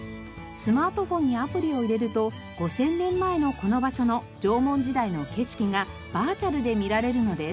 スマートフォンにアプリを入れると５０００年前のこの場所の縄文時代の景色がバーチャルで見られるのです。